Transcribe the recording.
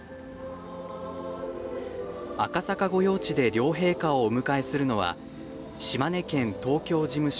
赤坂御用地で両陛下をお迎えするのは島根県東京事務所